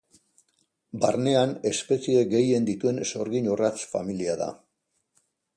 Barnean espezie gehien dituen sorgin-orratz familia da.